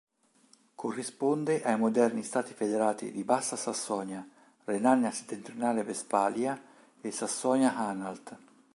Corrisponde ai moderni Stati federati di Bassa Sassonia, Renania Settentrionale-Vestfalia e Sassonia-Anhalt.